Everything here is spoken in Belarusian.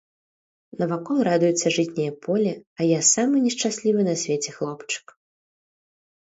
Навакол радуецца жытняе поле, а я самы нешчаслівы на свеце хлопчык.